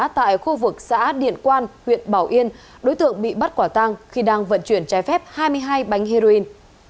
tại khu vực xã điện quan huyện bảo yên đối tượng bị bắt quả tang khi đang vận chuyển trái phép hai mươi hai bánh heroin